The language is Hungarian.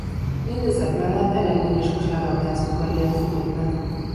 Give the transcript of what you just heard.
Mindezek mellett eredményes kosárlabdázó karriert futott be.